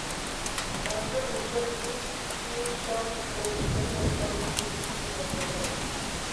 আর্য mission institution ও Vidyasagar college থেকে শিক্ষা সম্পন্ন করেন।